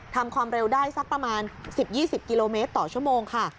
ทำความเร็วได้สักประมาณ๑๐๒๐กิโลเมตรต่อชั่วโมงค่ะ